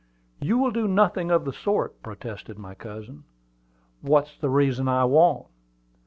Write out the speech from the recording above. "You will do nothing of the sort," protested my cousin. "What's the reason I won't?"